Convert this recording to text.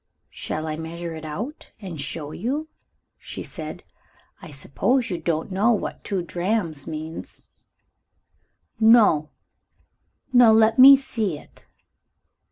"Shall I measure it out, and show you?" she said. "I suppose you don't know what two drachms mean?" "No, no! Let me see it."